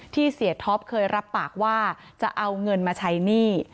เสียท็อปเคยรับปากว่าจะเอาเงินมาใช้หนี้